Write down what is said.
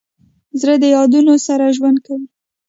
زړه د یادونو سره ژوند کوي.